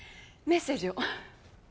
メッセージ？